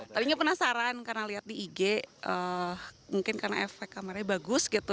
tadinya penasaran karena lihat di ig mungkin karena efek kamarnya bagus gitu